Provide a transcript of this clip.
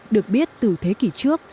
được biết từ thế kỷ trước